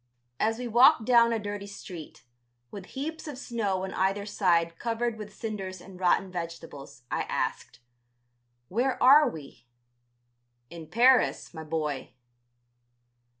As we walked down a dirty street, with heaps of snow on either side covered with cinders and rotten vegetables, I asked: "Where are we?" "In Paris, my boy."